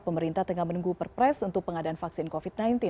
pemerintah tengah menunggu perpres untuk pengadaan vaksin covid sembilan belas